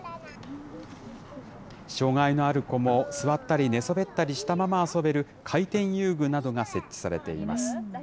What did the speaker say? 障害のある子も座ったり寝そべったりしたまま遊べる回転遊具などが設置されています。